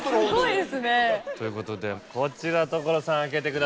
すごいですね。ということでこちら所さん開けてください。